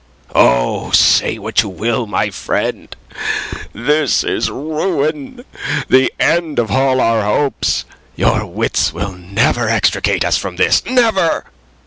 "Oh, say what you will, my friend, this is ruin the end of all our hopes. Your wits will never extricate us from this. Never!"